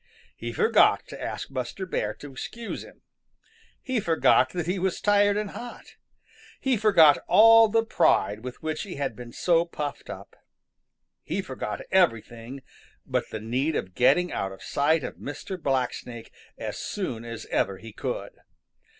He forgot to ask Buster Bear to excuse him. He forgot that he was tired and hot. He forgot all the pride with which he had been so puffed up. He forgot everything but the need of getting out of sight of Mr. Blacksnake as soon as ever he could.